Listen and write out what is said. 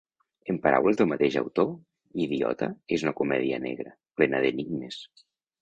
En paraules del mateix autor, ‘Idiota’ és una comèdia negra, plena d’enigmes.